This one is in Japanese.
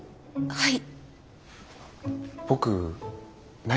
はい。